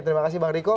terima kasih bang riko